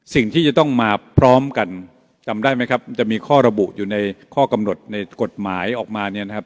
สิ่งที่จะต้องมาพร้อมกันจำได้ไหมครับมันจะมีข้อระบุอยู่ในข้อกำหนดในกฎหมายออกมาเนี่ยนะครับ